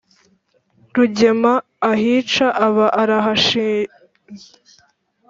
Rugema ahica aba arahashinze